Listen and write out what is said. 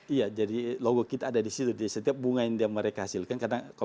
iya jadi logo kita ada di situ di setiap bunga yang mereka hasilkan